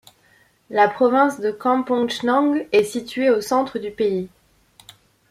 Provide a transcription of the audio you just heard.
La province de Kampong Chhnang est située au centre du pays.